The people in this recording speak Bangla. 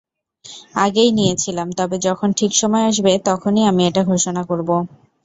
আগেই নিয়েছিলাম, তবে যখন ঠিক সময় আসবে তখনই আমি এটা ঘোষণা করব।